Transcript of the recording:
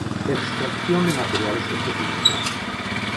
Extracción de materiales específicos.